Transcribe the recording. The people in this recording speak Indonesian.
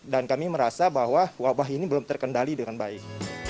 dan kami merasa bahwa wabah ini belum terkendali dengan baik